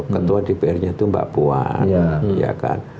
ketua dpr nya itu mbak buan